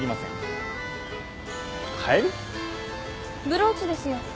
ブローチですよ。